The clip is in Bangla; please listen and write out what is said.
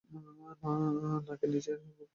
নাকের নীচের গোঁপটা আগে কাটুন।